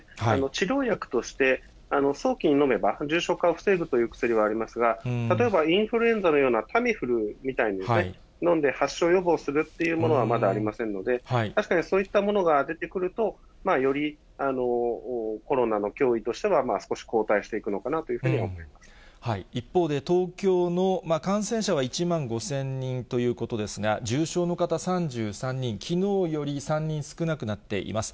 治療薬として早期に飲めば重症化を防ぐという薬はありますが、例えば、インフルエンザのようなタミフルみたいにですね、飲んで発症予防するっていうものはまだありませんので、確かにそういったものが出てくると、よりコロナの脅威としては少し後退していくのかなというふうに思一方で、東京の感染者は１万５０００人ということですが、重症の方３３人、きのうより３人少なくなっています。